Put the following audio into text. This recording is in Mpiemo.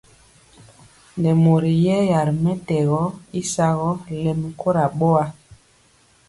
Nɛ mori yɛya ri mɛtɛgɔ y sagɔ lɛmi kora boa.